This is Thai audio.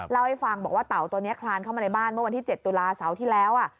เล่าให้ฟังบอกว่าเต่าตัวนี้คลานเข้ามาในบ้านเมื่อวันที่๗ตุลาเสาร์ที่แล้ว